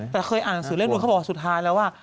แต่เคยอ่านหนังสือเรื่องนู้นเขาบอกว่าสุดท้ายแล้วว่า